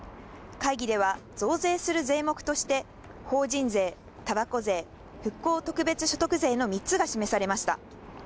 会議では、増税する税目として、法人税、たばこ税、復興特別所得税の３つが示されました。